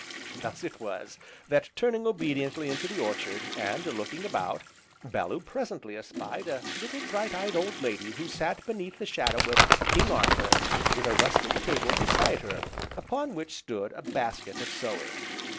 Thus it was that turning obediently into the orchard, and looking about, Bellew presently espied a little, bright eyed old lady who sat beneath the shadow of "King Arthur" with a rustic table beside her upon which stood a basket of sewing.